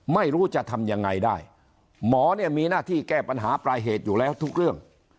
ไม่รู้จะทำยังไงได้หมอเนี่ยมีหน้าที่แก้ปัญหาปลายเหตุอยู่แล้วทุกเรื่อง